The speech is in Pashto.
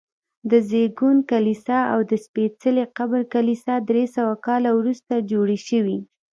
د زېږون کلیسا او د سپېڅلي قبر کلیسا درې سوه کاله وروسته جوړې شوي.